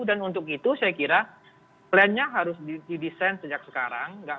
dan untuk itu saya kira plannya harus didesain sejak sekarang